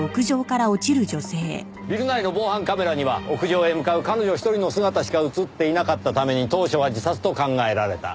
ビル内の防犯カメラには屋上へ向かう彼女１人の姿しか映っていなかったために当初は自殺と考えられた。